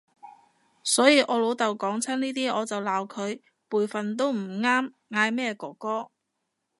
所以我老豆講親呢啲我就鬧佢，輩份都唔啱嗌咩哥哥